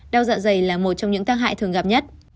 đau dạ dày là một trong những tác hại thường gặp nhất